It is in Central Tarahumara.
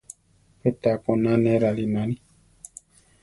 Pé taá koná ne rarináli.